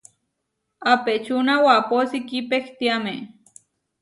Apečúna wapósi kipehtiáme.